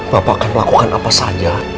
bapak akan melakukan apa saja